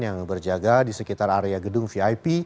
yang berjaga di sekitar area gedung vip